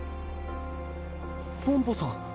ポンポさん！